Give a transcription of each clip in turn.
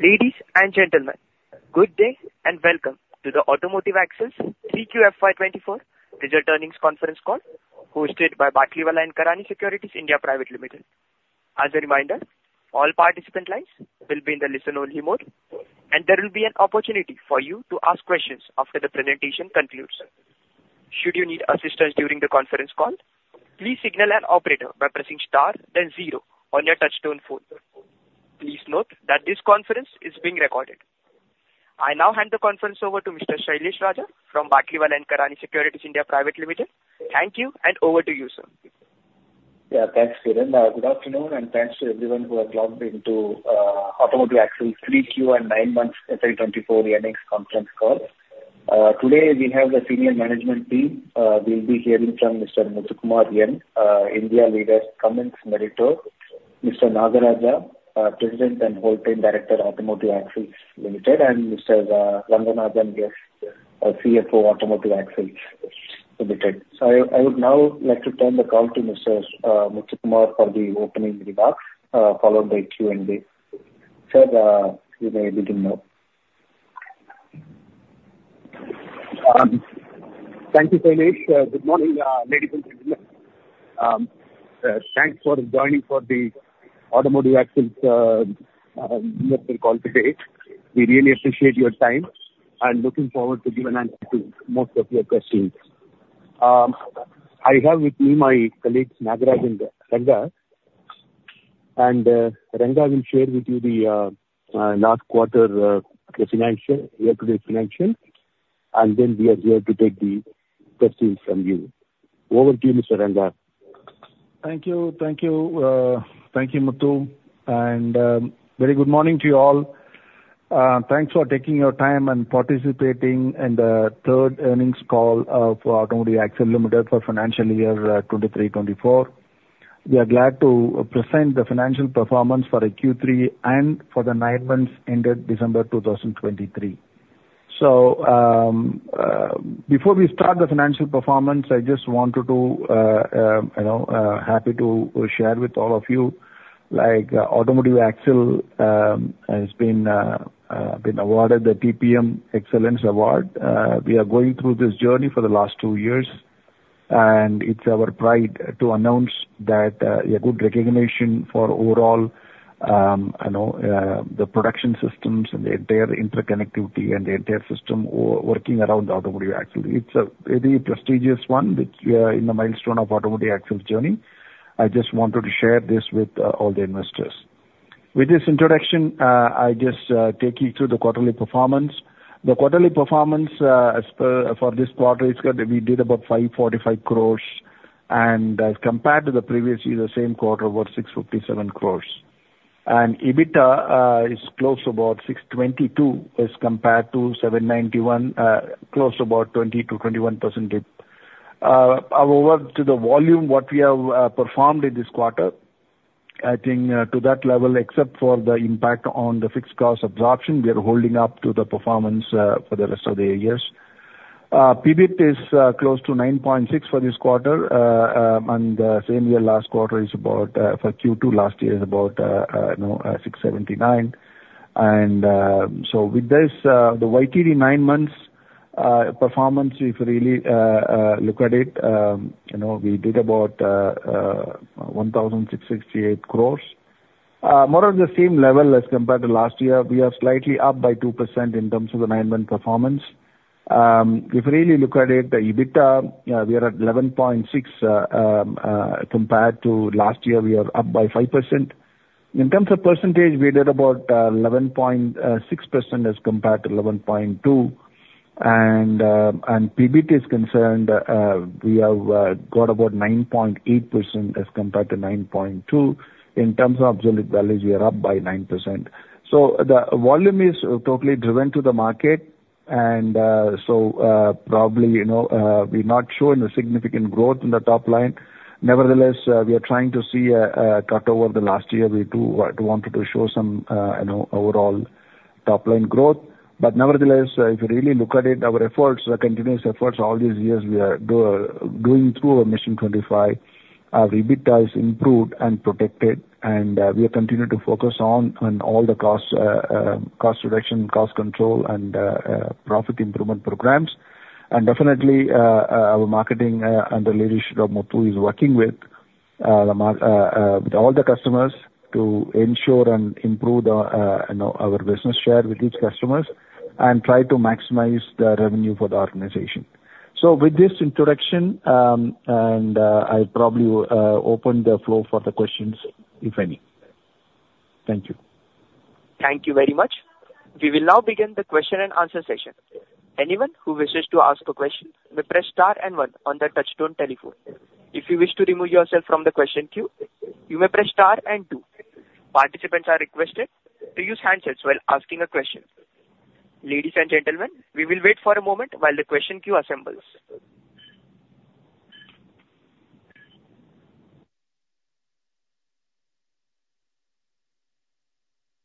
Ladies and gentlemen, good day and welcome to the Automotive Axles 3QFY 2024 Digital Earnings Conference Call, hosted by Batlivala & Karani Securities India Private Limited. As a reminder, all participant lines will be in the listen-only mode, and there will be an opportunity for you to ask questions after the presentation concludes. Should you need assistance during the conference call, please signal an operator by pressing star, then zero on your touchtone phone. Please note that this conference is being recorded. I now hand the conference over to Mr. Sailesh Raja from Batlivala & Karani Securities India Private Limited. Thank you, and over to you, sir. Yeah, thanks, Kiran. Good afternoon, and thanks to everyone who has logged into Automotive Axles' 3Q and 9 months FY 2024 earnings conference call. Today we have the senior management team. We'll be hearing from Mr. Muthukumar N., India Leader, Cummins-Meritor, Mr. Nagaraja, President and Whole-Time Director, Automotive Axles Limited, and Mr. Ranganathan S., our CFO, Automotive Axles Limited. So I would now like to turn the call to Mr. Muthukumar for the opening remarks, followed by Q&A. Sir, you may begin now. Thank you, Sailesh. Good morning, ladies and gentlemen. Thanks for joining for the Automotive Axles investor call today. We really appreciate your time, and looking forward to giving an answer to most of your questions. I have with me my colleagues, Nagaraja and Ranga, and Ranga will share with you the last quarter, the financial, year-to-date financial, and then we are here to take the questions from you. Over to you, Mr. Ranga. Thank you. Thank you. Thank you, Muthu, and very good morning to you all. Thanks for taking your time and participating in the third earnings call of Automotive Axles Limited for financial year 2023-2024. We are glad to present the financial performance for the Q3 and for the nine months ended December 2023. So, before we start the financial performance, I just wanted to, you know, happy to share with all of you, like, Automotive Axles Limited has been awarded the TPM Excellence Award. We are going through this journey for the last two years, and it's our pride to announce that, a good recognition for overall, you know, the production systems and their interconnectivity and the entire system working around Automotive Axles Limited. It's a very prestigious one, which, in the milestone of Automotive Axles' journey. I just wanted to share this with all the investors. With this introduction, I just take you through the quarterly performance. The quarterly performance, as per, for this quarter, is that we did about 545 crore, and as compared to the previous year, the same quarter, was 657 crore. EBITDA is close to about 6.22 as compared to 7.91, close to about 20%-21% dip. Our work to the volume, what we have performed in this quarter, I think, to that level, except for the impact on the fixed cost absorption, we are holding up to the performance for the rest of the years. PBIT is close to 9.6 for this quarter. And the same year, last quarter, is about—for Q2 last year is about 6.79. You know, so with this, the YTD nine months performance, if you really look at it, you know, we did about 1,668 crore. More on the same level as compared to last year, we are slightly up by 2% in terms of the nine-month performance. If you really look at it, the EBITDA, we are at 11.6. Compared to last year, we are up by 5%. In terms of percentage, we did about 11.6% as compared to 11.2% and PBIT is concerned, we have got about 9.8% as compared to 9.2%. In terms of absolute values, we are up by 9%. So the volume is totally driven to the market, and so, probably, you know, we're not showing a significant growth in the top line. Nevertheless, we are trying to see a cut over the last year. We wanted to show some, you know, overall top-line growth. But nevertheless, if you really look at it, our efforts, our continuous efforts all these years, we are going through our Mission 25. Our EBITDA is improved and protected, and we are continuing to focus on all the costs, cost reduction, cost control and profit improvement programs. Definitely, our marketing under the leadership of Muthu is working with all the customers to ensure and improve the you know our business share with each customers and try to maximize the revenue for the organization. So with this introduction, and I'll probably open the floor for the questions, if any. Thank you. Thank you very much. We will now begin the question-and-answer session. Anyone who wishes to ask a question may press star and one on their touchtone telephone. If you wish to remove yourself from the question queue, you may press star and two. Participants are requested to use handsets while asking a question. Ladies and gentlemen, we will wait for a moment while the question queue assembles.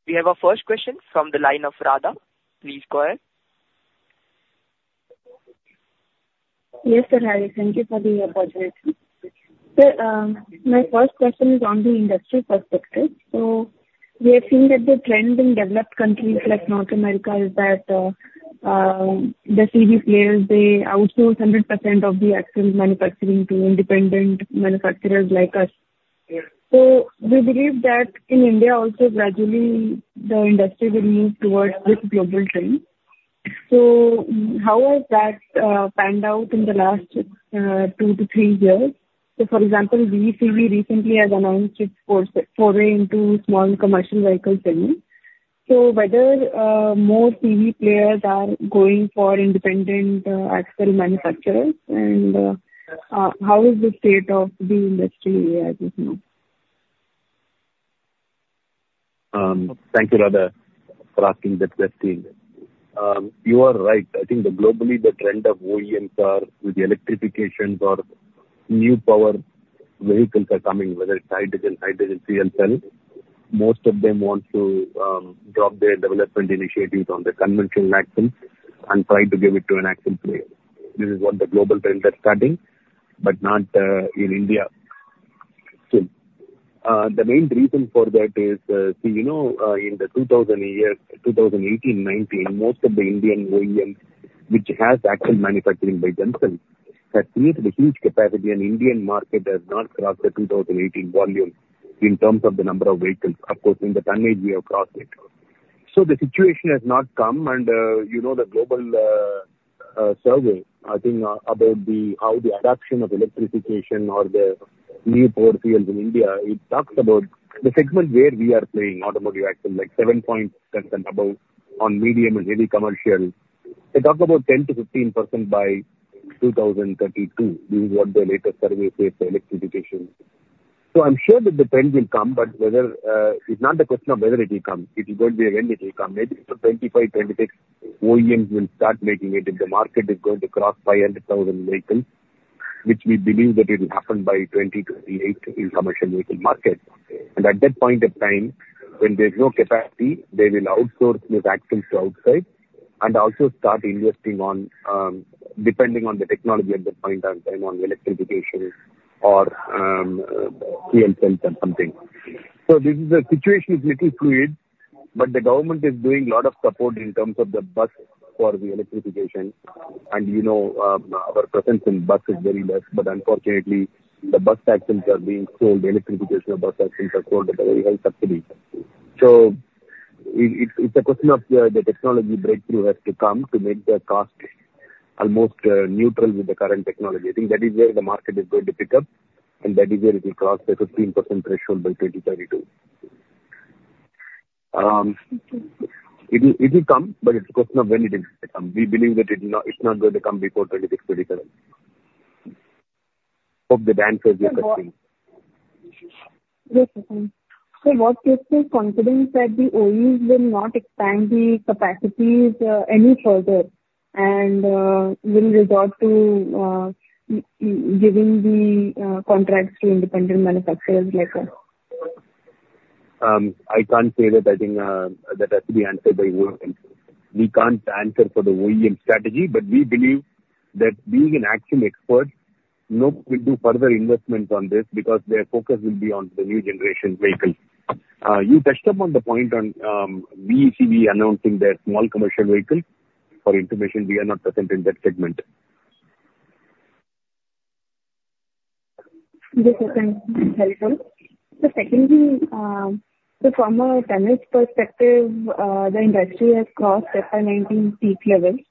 We have our first question from the line of Radha. Please go ahead. Yes, sir, hi, thank you for the opportunity. So, my first question is on the industry perspective. We have seen that the trend in developed countries like North America is that the CV players they outsource 100% of the actual manufacturing to independent manufacturers like us. So we believe that in India also, gradually the industry will move towards this global trend. So how has that panned out in the last two to three years? So, for example, VECV recently has announced its foray into small commercial vehicle segment. So whether more CV players are going for independent axle manufacturers, and how is the state of the industry as of now? Thank you, Radha, for asking that question. You are right. I think globally, the trend of OEMs are with electrification or new power vehicles are coming, whether it's hydrogen, hydrogen fuel cell. Most of them want to drop their development initiatives on the conventional axles and try to give it to an axle player. This is what the global trends are starting, but not in India. So, the main reason for that is, so you know, in 2018, 2019, most of the Indian OEMs, which has axle manufacturing by themselves, has created a huge capacity, and Indian market has not crossed the 2018 volume in terms of the number of vehicles. Of course, in the tonnage we have crossed it. So the situation has not come, and, you know, the global survey, I think, about the, how the adoption of electrification or the new portfolios in India, it talks about the segment where we are playing Automotive Axle, like 7% above on medium and heavy commercial. They talk about 10%-15% by 2032. This is what the latest survey says for electrification. So I'm sure that the trend will come, but whether, it's not a question of whether it will come, it is going to be when it will come. Maybe till 2025, 2026 OEMs will start making it, if the market is going to cross 500,000 vehicles, which we believe that it will happen by 2028 in commercial vehicle market. At that point of time, when there's no capacity, they will outsource these axles to outside and also start investing on, depending on the technology at that point of time, on electrification or, fuel cells or something. So this is a situation is little fluid, but the government is doing a lot of support in terms of the bus for the electrification. And you know, our presence in bus is very less, but unfortunately, the bus axles are being sold, electrification of bus axles are sold at a very high subsidy. So it's a question of the technology breakthrough has to come to make the cost almost, neutral with the current technology. I think that is where the market is going to pick up, and that is where it will cross the 15% threshold by 2032. It will, it will come, but it's a question of when it is going to come. We believe that it's not, it's not going to come before 2026, 2027. Hope that answers your question. Yes, okay. What gives you confidence that the OEMs will not expand the capacities any further and will resort to giving the contracts to independent manufacturers like us? I can't say that. I think that has to be answered by OEMs. We can't answer for the OEM strategy, but we believe that being an axle expert, no one will do further investments on this because their focus will be on the new generation vehicles. You touched upon the point on VECV announcing their small commercial vehicle. For information, we are not present in that segment. Yes, okay. Helpful. So secondly, so from a tonnage perspective, the industry has crossed the FY 2019 peak levels.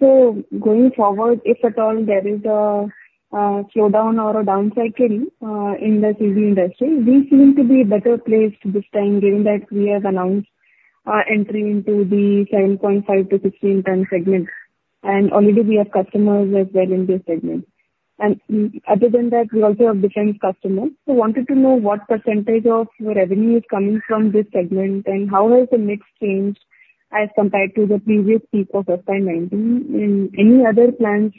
So going forward, if at all there is a slowdown or a down cycling, in the CV industry, we seem to be better placed this time, given that we have announced our entry into the 7.5 to 16-ton segment, and already we have customers as well in this segment. And, other than that, we also have different customers. So wanted to know what percentage of your revenue is coming from this segment, and how has the mix changed as compared to the previous peak of FY 2019, and any other plans,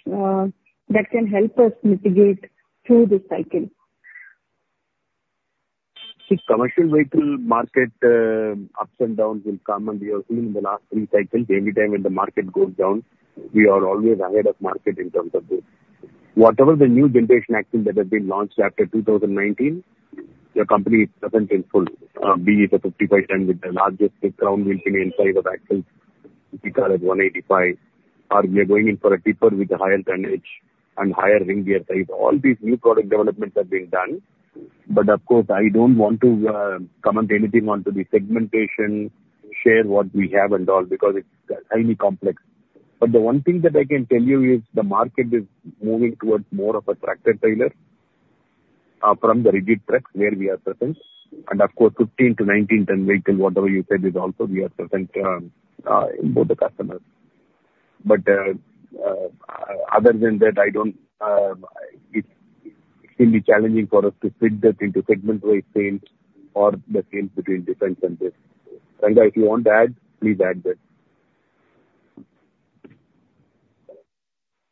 that can help us mitigate through this cycle? Commercial vehicle market, ups and downs will come, and we have seen in the last three cycles, anytime when the market goes down, we are always ahead of market in terms of this. Whatever the new generation axle that has been launched after 2019, the company is present in full, be it the 55-ton with the largest crown wheel trim inside of axle, we call it 185, or we are going in for a tipper with a higher tonnage and higher ring gear size. All these new product developments are being done, but of course, I don't want to comment anything on to the segmentation, share what we have and all, because it's highly complex. But the one thing that I can tell you is the market is moving towards more of a tractor-trailer from the rigid trucks where we are present. And of course, 15-19 ton vehicle, whatever you said is also we are present in both the customers. But other than that, I don't—it will be challenging for us to fit that into segment-wise sales or the sales between different centers. Sandra, if you want to add, please add that.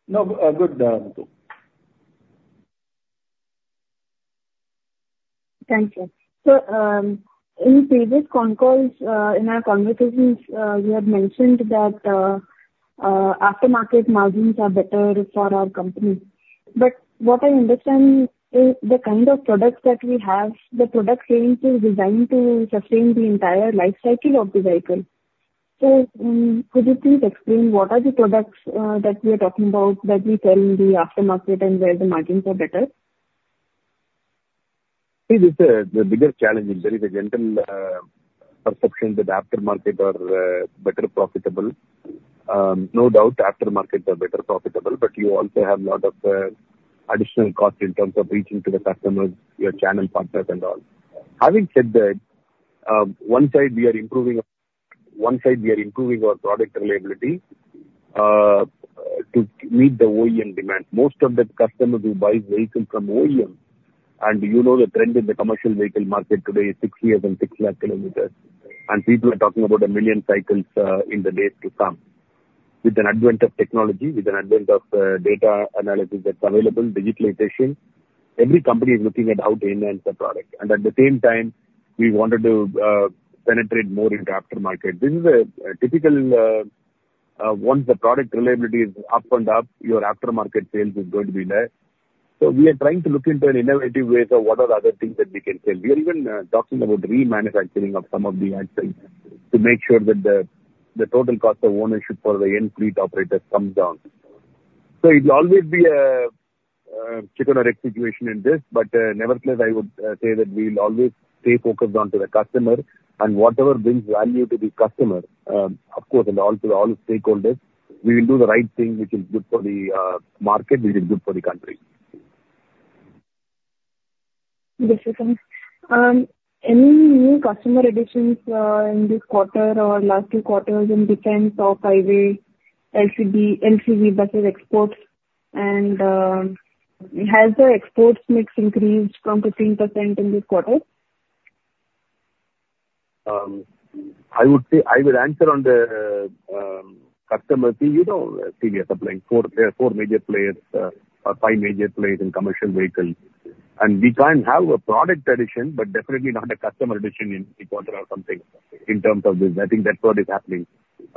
No, good, Muthu. Thank you. So, in previous con calls, in our conversations, you have mentioned that, after-market margins are better for our company. But what I understand is the kind of products that we have, the product range is designed to sustain the entire life cycle of the vehicle. So, could you please explain what are the products, that we are talking about, that we sell in the aftermarket, and where the margins are better? See, this is the bigger challenge. There is a general perception that aftermarket are better profitable. No doubt, aftermarkets are better profitable, but you also have a lot of additional costs in terms of reaching to the customers, your channel partners and all. Having said that, one side we are improving, one side we are improving our product reliability to meet the OEM demand. Most of the customers who buy vehicles from OEM, and you know, the trend in the commercial vehicle market today is six years and 600,000 lakh km, and people are talking about 1 million cycles in the days to come. With an advent of technology, with an advent of data analysis that's available, digitalization, every company is looking at how to enhance the product. And at the same time, we wanted to penetrate more into aftermarket. This is a typical once the product reliability is up and up, your aftermarket sales is going to be less. So we are trying to look into an innovative ways of what are the other things that we can sell. We are even talking about remanufacturing of some of the axles to make sure that the total cost of ownership for the end fleet operator comes down. So it'll always be a chicken or egg situation in this, but nevertheless, I would say that we will always stay focused onto the customer and whatever brings value to the customer, of course, and also all stakeholders, we will do the right thing which is good for the market, which is good for the country. This is thanks. Any new customer additions in this quarter or last two quarters in different Off-Highway, LCV, NCV buses, exports, and has the exports mix increased from 13% in this quarter? I would say, I will answer on the customer thing. You know, we are supplying four, four major players, or five major players in commercial vehicles. And we can have a product addition, but definitely not a customer addition in this quarter or something in terms of this. I think that's what is happening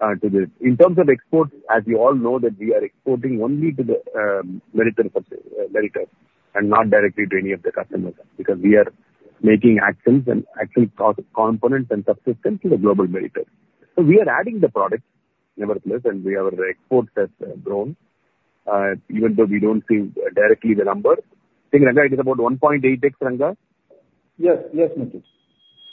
to this. In terms of exports, as you all know, that we are exporting only to the Meritor, and not directly to any of the customers, because we are making axles and axle co-components and subsystems to the global Meritor. So we are adding the products, nevertheless, and our exports has grown, even though we don't see directly the number. I think, Ranga, it is about 1.8x, Ranga? Yes. Yes, Muthu.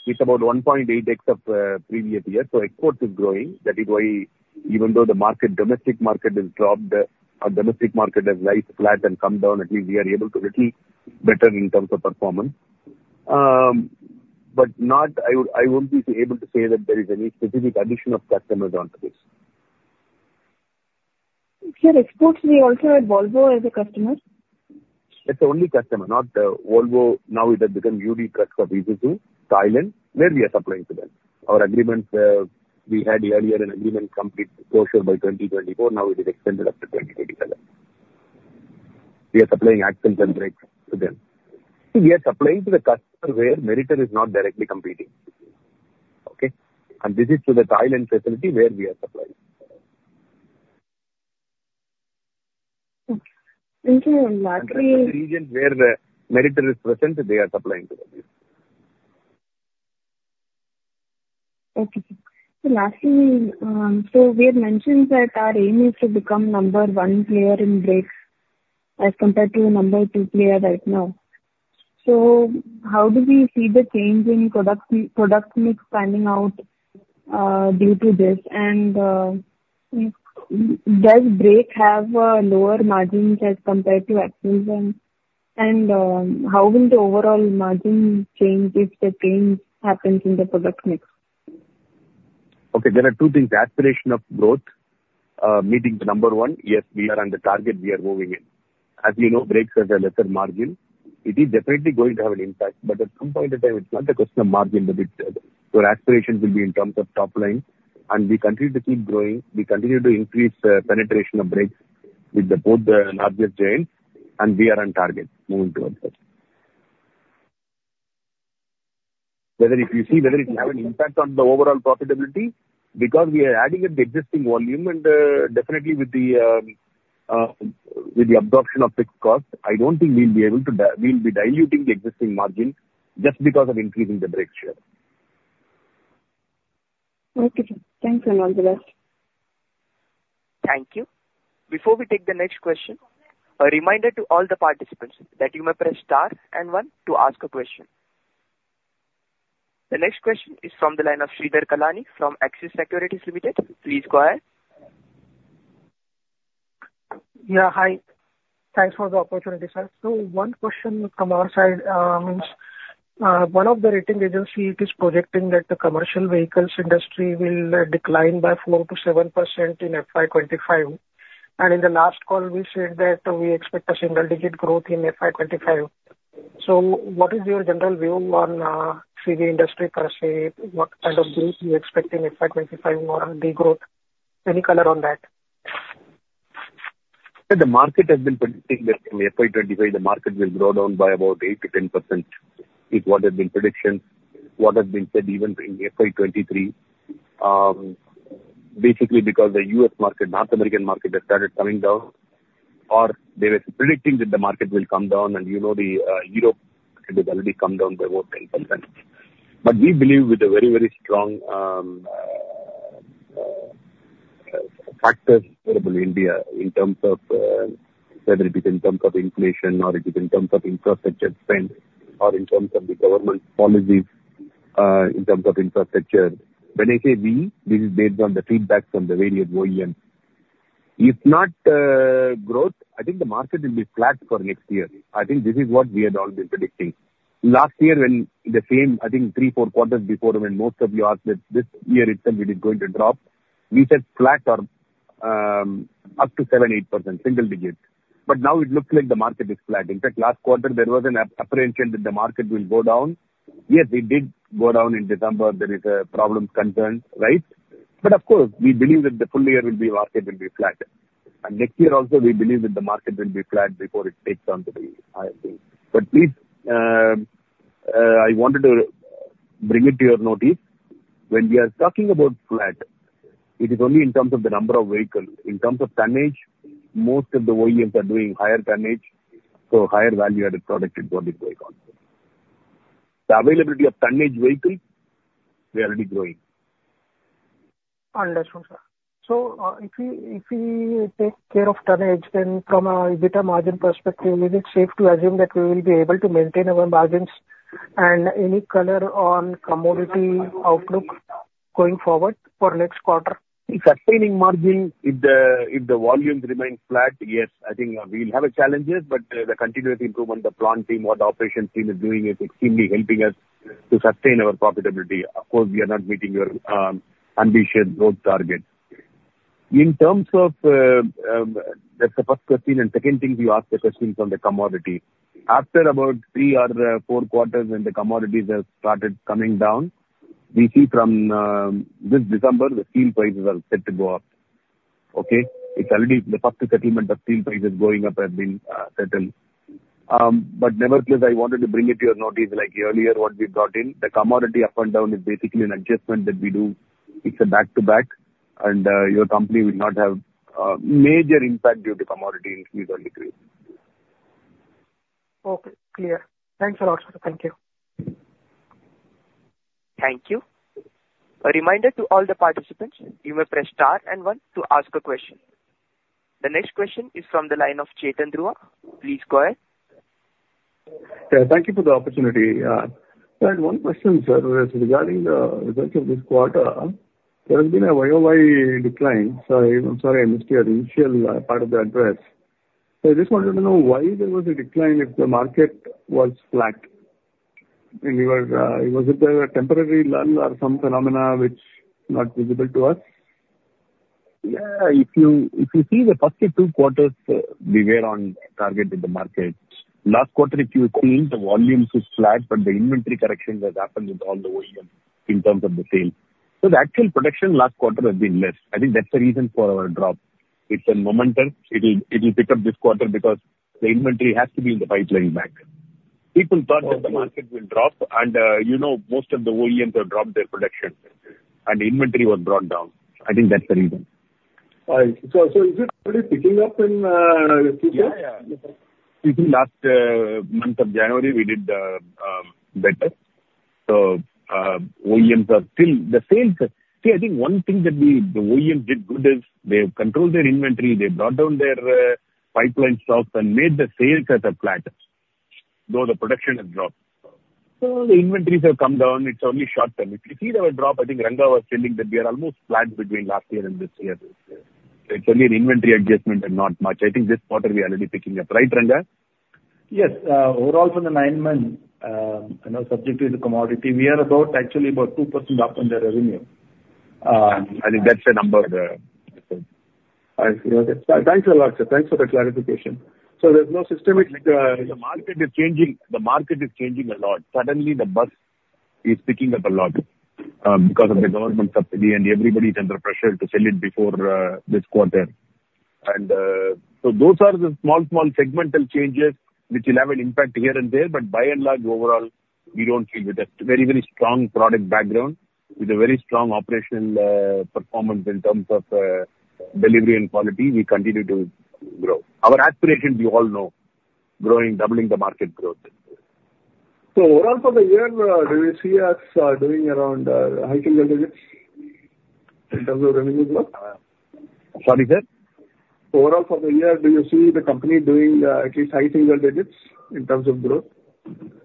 It's about 1.8x of previous year, so export is growing. That is why even though the market, domestic market has dropped, our domestic market has remained flat and come down, at least we are able to little better in terms of performance. But not, I would, I won't be able to say that there is any specific addition of customers onto this. Sir, exports, we also have Volvo as a customer? That's the only customer, not, Volvo, now it has become UD Trucks for business of Isuzu Thailand, where we are supplying to them. Our agreements, we had earlier an agreement complete closure by 2024, now it is extended up to 2027. We are supplying axles and brakes to them. We are supplying to the customer where Meritor is not directly competing. Okay? This is to the Thailand facility where we are supplying. Okay. Thank you. And lastly— Regions where the Meritor is present, they are supplying to them. Okay. So lastly, so you'd had mentioned that our aim is to become number one player in brakes as compared to number two player right now. So how do we see the change in product, product mix panning out, due to this? And, does brake have lower margins as compared to axles then? And, how will the overall margin change if the change happens in the product mix? Okay, there are two things: aspiration of growth, meeting the number one. Yes, we are on the target, we are moving in. As you know, brakes has a lesser margin. It is definitely going to have an impact, but at some point in time, it's not a question of margin, but it's, your aspirations will be in terms of top line, and we continue to keep growing, we continue to increase, penetration of brakes with the both the largest giants, and we are on target moving towards that. Whether if you see whether it will have an impact on the overall profitability, because we are adding at the existing volume, and, definitely with the, with the absorption of fixed cost, I don't think we'll be able to di- we'll be diluting the existing margin just because of increasing the brake share. Okay, sir. Thanks, and all the best. Thank you. Before we take the next question, a reminder to all the participants that you may press star and one to ask a question. The next question is from the line of Sridhar Kallani from Axis Securities Limited. Please go ahead. Yeah, hi. Thanks for the opportunity, sir. So one question from our side, is one of the rating agency projecting that the commercial vehicles industry will decline by 4%-7% in FY 2025, and in the last call, we said that we expect a single-digit growth in FY 2025. So what is your general view on CV industry per se? What kind of growth you expect in FY 2025 or degrowth? Any color on that? Srid, the market has been predicting that in the FY 2025, the market will go down by about 8%-10%, is what has been prediction, what has been said even in FY 2023. Basically because the U.S. market, North American market, has started coming down, or they were predicting that the market will come down, and, you know, the Europe it has already come down by about 10%. But we believe with a very, very strong, factors available in India in terms of, whether it is in terms of inflation or it is in terms of infrastructure spend or in terms of the government policies, in terms of infrastructure. When I say "we," this is based on the feedback from the various OEMs. If not, growth, I think the market will be flat for next year. I think this is what we had all been predicting. Last year, when the same, I think three, four quarters before, when most of you asked that this year itself it is going to drop, we said flat or, up to 7%, 8%, single digits. But now it looks like the market is flat. In fact, last quarter there was an apprehension that the market will go down. Yes, it did go down in December. There is a problem concerned, right? But of course, we believe that the full year will be, market will be flat. And next year also, we believe that the market will be flat before it takes on to the higher thing. But please, I wanted to bring it to your notice, when we are talking about flat, it is only in terms of the number of vehicles. In terms of tonnage, most of the OEMs are doing higher tonnage, so higher value-added product is what is going on. The availability of tonnage vehicle, we are already growing. Understood, sir. So, if we, if we take care of tonnage, then from an EBITDA margin perspective, is it safe to assume that we will be able to maintain our margins? And any color on commodity outlook going forward for next quarter? Sustaining margin, if the volumes remain flat, yes, I think we'll have our challenges, but the continuous improvement, the plant team or the operation team is doing is extremely helping us to sustain our profitability. Of course, we are not meeting your ambitious growth targets. In terms of, that's the first question, and second thing you asked a question on the commodity. After about three or four quarters when the commodities have started coming down, we see from this December, the steel prices are set to go up. Okay? It's already the first settlement of steel prices going up has been settled. But nevertheless, I wanted to bring it to your notice, like earlier, what we brought in, the commodity up and down is basically an adjustment that we do. It's a back-to-back, and, your company will not have, major impact due to commodity increase or decrease. Okay, clear. Thanks a lot, sir. Thank you. Thank you. A reminder to all the participants, you may press star and one to ask a question. The next question is from the line of Chetan Dhruva. Please go ahead. Yeah, thank you for the opportunity. I had one question, sir, regarding the results of this quarter. There has been a YoY decline. So I'm sorry I missed your initial part of the address. So I just wanted to know why there was a decline if the market was flat, and you were—was there a temporary lull or some phenomena which not visible to us? Yeah, if you, if you see the first two quarters, we were on target with the market. Last quarter, if you see, the volumes is flat, but the inventory correction has happened with all the OEMs in terms of the sales. So the actual production last quarter has been less. I think that's the reason for our drop. It's a momentum. It'll, it'll pick up this quarter because the inventory has to be in the pipeline back. People thought that the market will drop, and, you know, most of the OEMs have dropped their production and inventory was brought down. I think that's the reason. All right. So, so is it already picking up in future? Yeah, yeah. Last month of January, we did better. So, OEMs are still the sales. See, I think one thing that we, the OEMs did good is they've controlled their inventory, they brought down their pipeline stocks and made the sales kind of flatter, though the production has dropped. So the inventories have come down. It's only short term. If you see our drop, I think Ranga was telling that we are almost flat between last year and this year. It's only an inventory adjustment and not much. I think this quarter we are already picking up. Right, Ranga? Yes. Overall for the nine months, you know, subject to the commodity, we are about, actually about 2% up on the revenue. I think that's the number. I see. Okay. Thanks a lot, sir. Thanks for the clarification. So there's no systemic, The market is changing. The market is changing a lot. Suddenly, the bus is picking up a lot, because of the government subsidy, and everybody is under pressure to sell it before this quarter. So those are the small, small segmental changes which will have an impact here and there, but by and large, overall, we don't feel it. With a very, very strong product background, with a very strong operational performance in terms of delivery and quality, we continue to grow. Our aspiration, we all know, growing, doubling the market growth. Overall for the year, do you see us doing around high single digits in terms of revenue growth? Sorry, sir? Overall for the year, do you see the company doing at least high single digits in terms of growth? Maybe for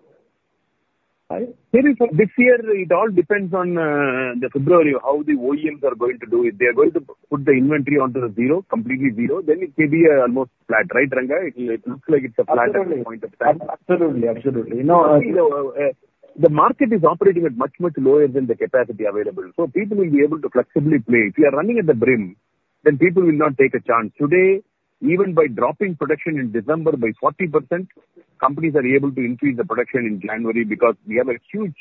this year, it all depends on the February, how the OEMs are going to do it. They are going to put the inventory onto the zero, completely zero, then it may be almost flat. Right, Ranga? It looks like it's a flat point of time. Absolutely. Absolutely. You know, the market is operating at much, much lower than the capacity available, so people will be able to flexibly play. If you are running at the brim, then people will not take a chance. Today, even by dropping production in December by 40% companies are able to increase the production in January because we have a huge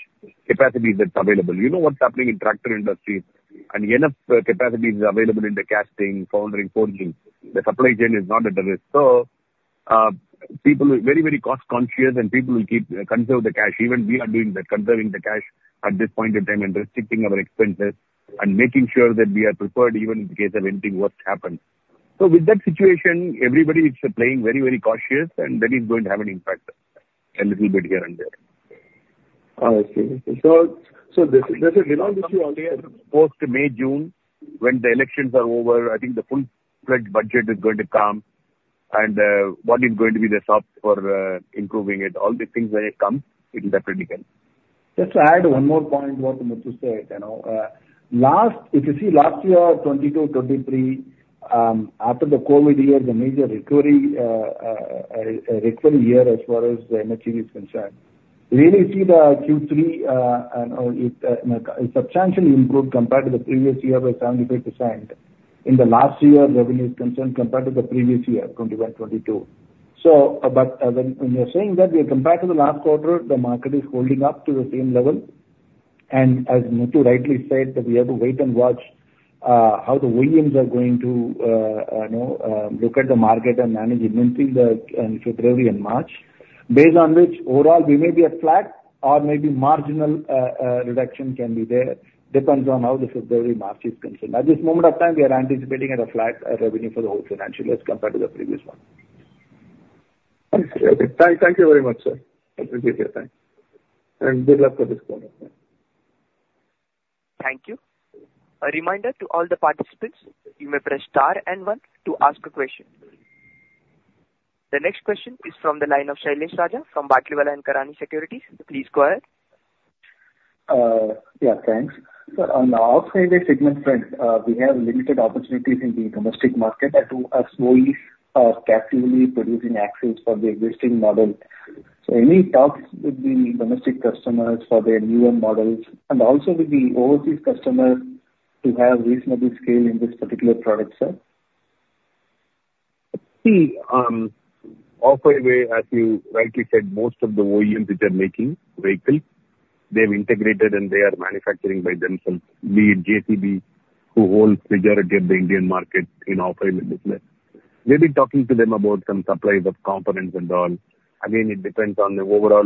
capacity that's available. You know what's happening in tractor industry, and enough capacity is available in the casting, foundry, forging. The supply chain is not at the risk. So, people are very, very cost conscious, and people will keep, conserve the cash. Even we are doing that, conserving the cash at this point in time, and restricting our expenses, and making sure that we are prepared even in case if anything worse happens. With that situation, everybody is playing very, very cautious, and that is going to have an impact, a little bit here and there. I see. So, there's a— Post May, June, when the elections are over, I think the full budget is going to come, and what is going to be the solution for improving it, all these things, when it comes, it will definitely help. Just to add one more point what Muthu said, you know, last, if you see last year, 2022, 2023, after the COVID year, the major recovery, recovery year as far as the M&HCV is concerned, really see the Q3, you know, it, substantially improved compared to the previous year by 78%. In the last year, revenue is concerned compared to the previous year, 2021, 2022. So, but, when, when you're saying that we are compared to the last quarter, the market is holding up to the same level. And as Muthu rightly said, that we have to wait and watch, how the OEMs are going to, you know, look at the market and manage inventory in, in February and March. Based on which, overall, we may be at flat or maybe marginal reduction can be there, depends on how the February, March is concerned. At this moment of time, we are anticipating at a flat revenue for the whole financial year compared to the previous one. Okay. Thank you very much, sir. I appreciate it and good luck for this quarter. Thank you. A reminder to all the participants, you may press star and one to ask a question. The next question is from the line of Sailesh Raja from Batlivala & Karani Securities. Please go ahead. Yeah, thanks. So on the Off-Highway segment front, we have limited opportunities in the domestic market and we are slowly, carefully producing axles for the existing model. So any talks with the domestic customers for their newer models and also with the overseas customers to have reasonable scale in this particular product, sir? See, Off-Highway, as you rightly said, most of the OEMs which are making vehicles, they've integrated and they are manufacturing by themselves, be it JCB, who holds majority of the Indian market in Off-Highway business. We've been talking to them about some supplies of components and all. Again, it depends on the overall,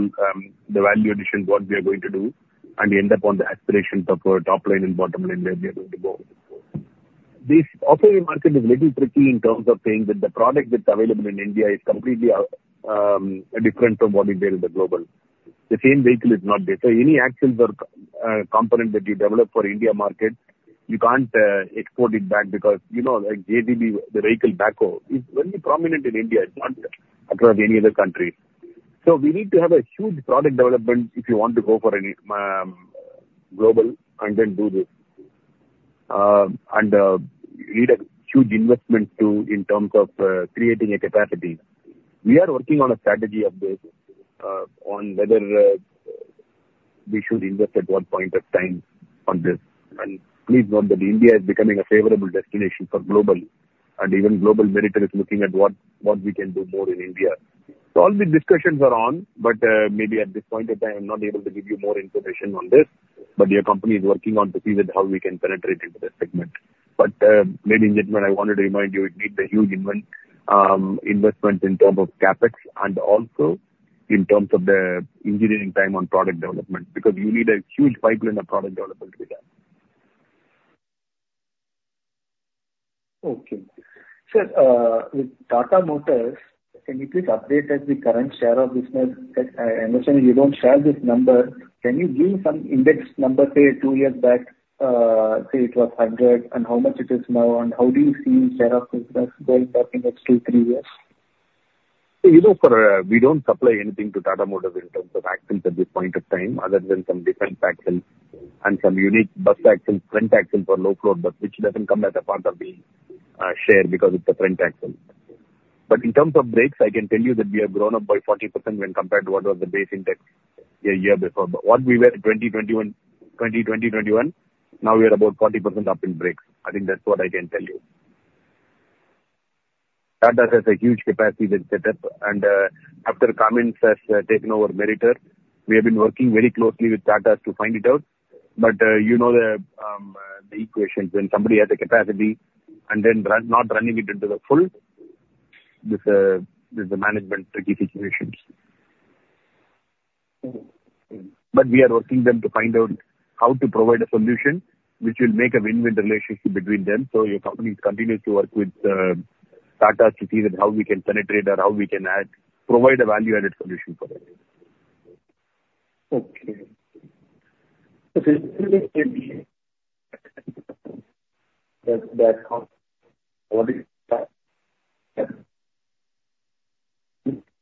the value addition, what we are going to do, and end up on the aspiration for top line and bottom line, where we are going to go. This Off-Highway market is little tricky in terms of saying that the product that's available in India is completely, different from what is there in the global. The same vehicle is not there. So any axles or component that you develop for India market, you can't export it back because, you know, like JCB, the backhoe loader, is very prominent in India, it's not across any other country. So we need to have a huge product development if you want to go for any global and then do this, and need a huge investment, too, in terms of creating a capacity. We are working on a strategy of this, on whether we should invest at what point of time on this. And please note that India is becoming a favorable destination for global, and even global Meritor is looking at what we can do more in India. So all these discussions are on, but maybe at this point in time, I'm not able to give you more information on this, but your company is working on to see that how we can penetrate into this segment. But maybe, gentlemen, I wanted to remind you, it needs a huge investment in terms of CapEx and also in terms of the engineering time on product development, because you need a huge pipeline of product development with that. Okay. Sir, with Tata Motors, can you please update us the current share of business that, I, I understand you don't share this number. Can you give some index number, say, two years back, say, it was 100, and how much it is now, and how do you see share of business build up in next two, three years? So you know, Sailesh, we don't supply anything to Tata Motors in terms of axles at this point of time, other than some different axles and some unique bus axles, front axles for low-floor, but which doesn't come as a part of the share, because it's a front axle. But in terms of brakes, I can tell you that we have grown up by 40% when compared to what was the base index a year before. But what we were in 2021, 2020, 2021, now we are about 40% up in brakes. I think that's what I can tell you. Tata has a huge capacity with setup, and after Cummins has taken over Meritor, we have been working very closely with Tata to find it out. But, you know, the equation, when somebody has the capacity and then run, not running it into the full, this is a management tricky situations. But we are working them to find out how to provide a solution which will make a win-win relationship between them. So your company continues to work with Tata to see that how we can penetrate or how we can add, provide a value-added solution for them. Okay. Okay. That's how over time.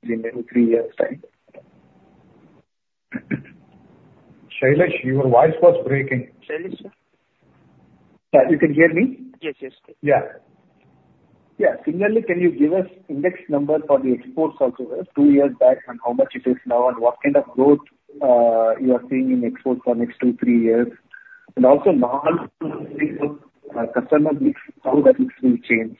In maybe three years' time. Sailesh, your voice was breaking. Sailesh, sir. You can hear me? Yes, yes. Yeah. Yeah. Similarly, can you give us index number for the exports also, two years back, and how much it is now, and what kind of growth you are seeing in export for next two, three years? And also non-customer mix, how that mix will change?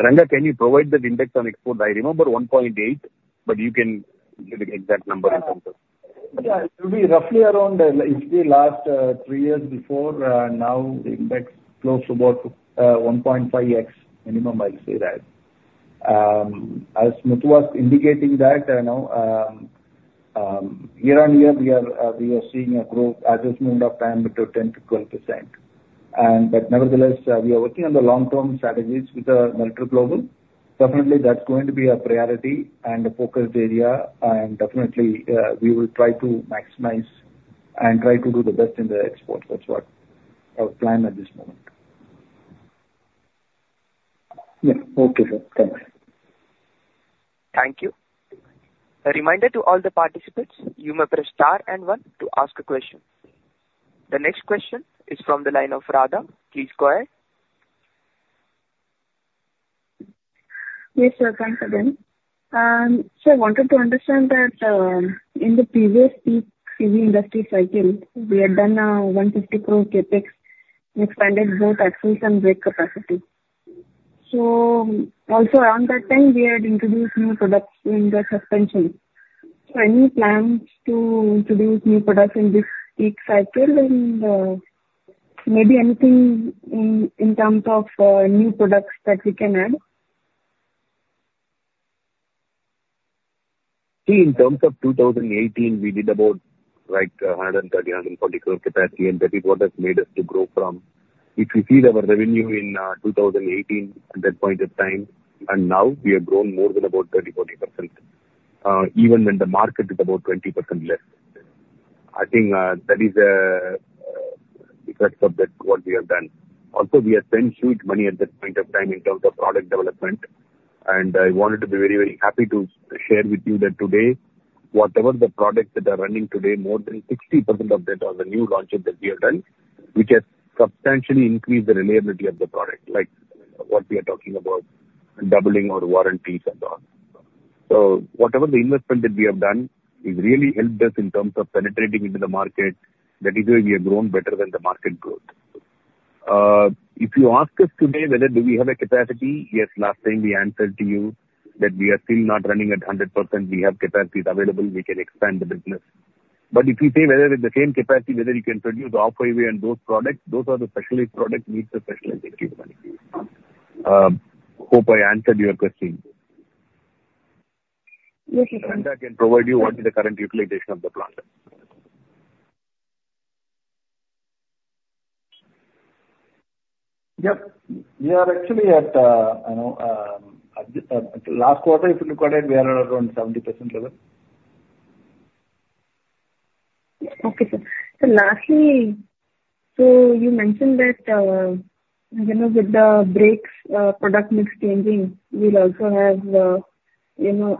Ranga, can you provide that index on export? I remember 1.8, but you can give the exact number in terms of? Yeah, it will be roughly around, if the last three years before, now the index close to about, 1.5x minimum, I'll say that. As Muthu was indicating that, you know, year-on-year, we are seeing a growth as a movement of time between 10%-12%. But nevertheless, we are working on the long-term strategies with the multi-global. Definitely, that's going to be a priority and a focused area, and definitely, we will try to maximize and try to do the best in the export. That's what our plan at this moment. Yeah. Okay, sir. Thank you. Thank you. A reminder to all the participants, you may press star and one to ask a question. The next question is from the line of Radha. Please go ahead. Yes, sir, thanks again. So I wanted to understand that in the previous peak NCV industry cycle, we had done 150 crore CapEx and expanded both axles and brake capacity. Also, around that time, we had introduced new products in the suspension. Any plans to introduce new products in this peak cycle and maybe anything in terms of new products that we can add? See, in terms of 2018, we did about like 130 crores, 140 crores capacity, and that is what has made us to grow from. If you see our revenue in 2018 at that point of time, and now we have grown more than about 30%, 40%, even when the market is about 20% less. I think, that is, because of that, what we have done. Also, we have spent huge money at that point of time in terms of product development, and I wanted to be very, very happy to share with you that today, whatever the products that are running today, more than 60% of that are the new launches that we have done, which has substantially increased the reliability of the product, like what we are talking about doubling our warranties and all. So whatever the investment that we have done, it really helped us in terms of penetrating into the market. That is why we have grown better than the market growth. If you ask us today whether do we have a capacity? Yes, last time we answered to you that we are still not running at 100%. We have capacities available. We can expand the business. But if you say whether with the same capacity, whether you can produce Off-Highway and those products, those are the specialized products, needs the specialized equipment. Hope I answered your question. Yes, you did. Ranga can provide you what is the current utilization of the plant. Yep. We are actually at, you know, at the last quarter, if you recall it, we are around 70% level. Okay, sir. So lastly, you mentioned that, you know, with the brakes product mix changing, we'll also have, you know,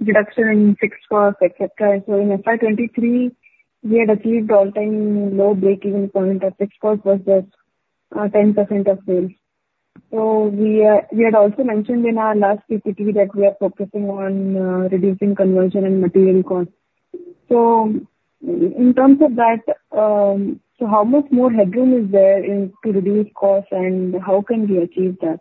reduction in fixed costs, et cetera. So in FY 2023, we had achieved all-time low breakeven point of 6% cost versus 10% of sales. So we had also mentioned in our last QPT that we are focusing on reducing conversion and material costs. So in terms of that, how much more headroom is there into reduce costs? And how can we achieve that?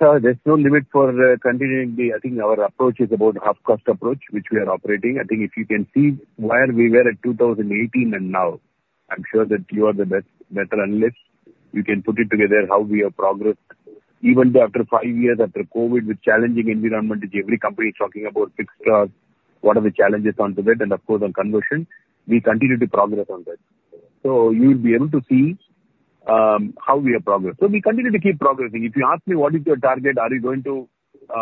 So there's no limit for continuing the—I think our approach is about half cost approach, which we are operating. I think if you can see where we were at 2018 and now, I'm sure that you are the best, better analyst. You can put it together, how we have progressed. Even though after five years after COVID, with challenging environment, which every company is talking about, fixed costs, what are the challenges onto that? And of course, on conversion, we continue to progress on that. So you will be able to see how we have progressed. So we continue to keep progressing. If you ask me, what is your target? Are you going to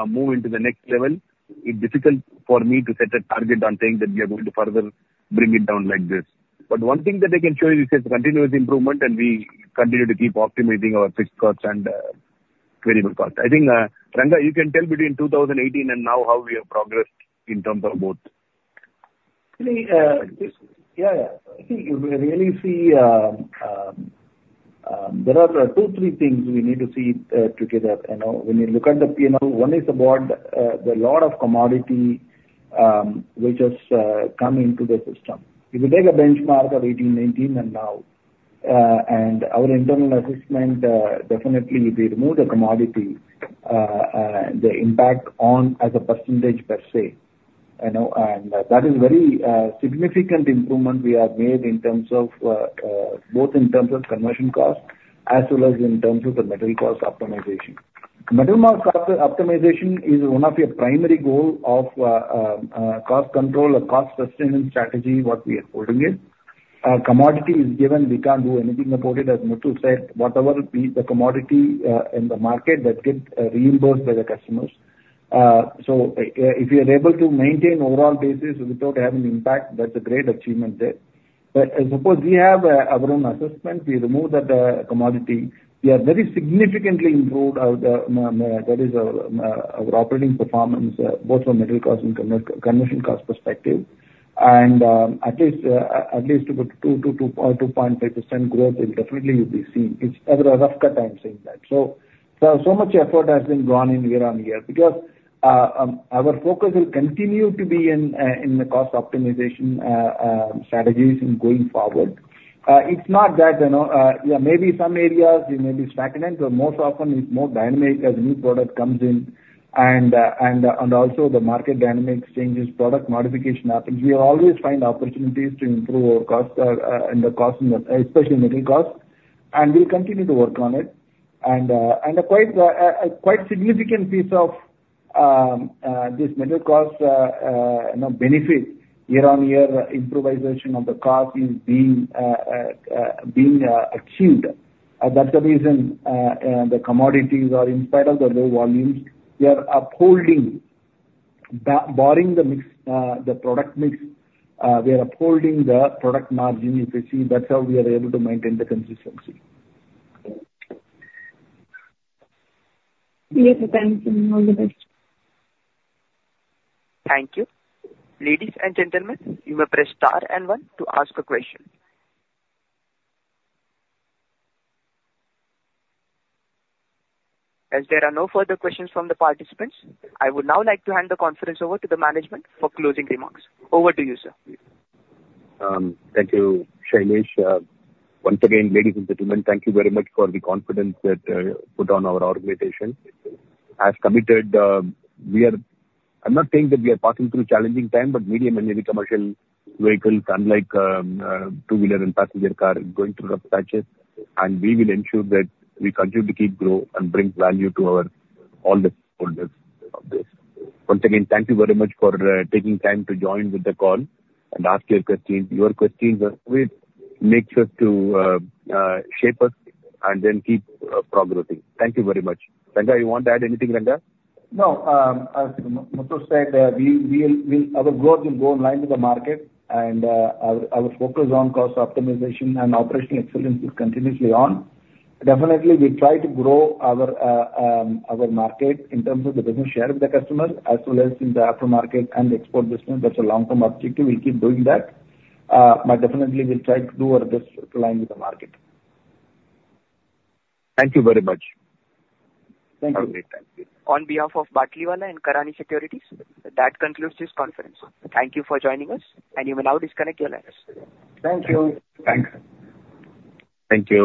move into the next level? It's difficult for me to set a target on saying that we are going to further bring it down like this. But one thing that I can show you is the continuous improvement, and we continue to keep optimizing our fixed costs and, variable costs. I think, Ranga, you can tell between 2018 and now how we have progressed in terms of both. Yeah, yeah. I think if we really see, there are two, three things we need to see together. You know, when you look at the P&L, one is about the lot of commodity, which has come into the system. If you take a benchmark of 2018, 2019 and now, and our internal assessment, definitely if we remove the commodity, the impact on EBITDA as a percentage per se, you know, and that is very significant improvement we have made in terms of both in terms of conversion cost as well as in terms of the metal cost optimization. Metal cost optimization is one of your primary goal of cost control or cost sustainment strategy, what we are holding it. Commodity is given, we can't do anything about it. As Muthu said, whatever be the commodity in the market, that gets reimbursed by the customers. So, if you are able to maintain overall basis without having impact, that's a great achievement there. But suppose we have our own assessment, we remove that commodity, we have very significantly improved our, that is, our operating performance both from metal cost and conversion cost perspective. And at least about 2 to 2 or 2.5% growth will definitely be seen. It's rather a rougher time saying that. So much effort has been gone in year-on-year, because our focus will continue to be in in the cost optimization strategies in going forward. It's not that, you know, yeah, maybe some areas we may be stagnant, but most often it's more dynamic as new product comes in and, and also the market dynamics changes, product modification happens. We always find opportunities to improve our costs, and the cost, especially metal costs, and we continue to work on it. And, and a quite, a quite significant piece of, this metal costs, you know, benefit year on year improvization of the cost is being, being, achieved. And that's the reason, the commodities are in spite of the low volumes, we are upholding, barring the mix, the product mix, we are upholding the product margin. If you see, that's how we are able to maintain the consistency. Yes, thank you. All the best. Thank you. Ladies and gentlemen, you may press star and one to ask a question. As there are no further questions from the participants, I would now like to hand the conference over to the management for closing remarks. Over to you, sir. Thank you, Sailesh. Once again, ladies and gentlemen, thank you very much for the confidence that you put on our organization. As committed, we are—I'm not saying that we are passing through a challenging time, but medium and heavy commercial vehicles, unlike two-wheeler and passenger car, is going through rough patches, and we will ensure that we continue to keep grow and bring value to our all the stakeholders of this. Once again, thank you very much for taking time to join with the call and ask your questions. Your questions always make sure to shape us and then keep progressing. Thank you very much. Ranga, you want to add anything, Ranga? No. As Muthu said, our growth will go in line with the market, and our focus on cost optimization and operational excellence is continuously on. Definitely, we try to grow our market in terms of the business share of the customers, as well as in the aftermarket and export business. That's a long-term objective. We'll keep doing that. But definitely we'll try to do our best to align with the market. Thank you very much. Thank you. On behalf of Batlivala & Karani Securities, that concludes this conference. Thank you for joining us, and you may now disconnect your lines. Thank you. Thanks. Thank you.